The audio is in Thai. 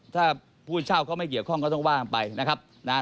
ถ้าผู้เช่าเขาไม่เกี่ยวข้องเขาต้องว่ากันไป